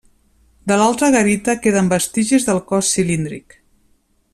De l'altra garita queden vestigis del cos cilíndric.